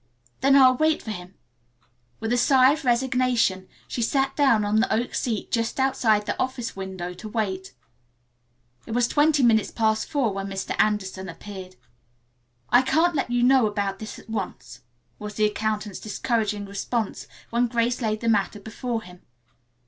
"Then I'll wait for him." With a sigh of resignation she sat down on the oak seat just outside the office window to wait. It was twenty minutes past four when Mr. Anderson appeared. "I can't let you know about this at once," was the accountant's discouraging response when Grace laid the matter before him.